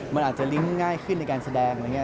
มันอาจจะลิ้งก์ง่ายขึ้นในการแสดง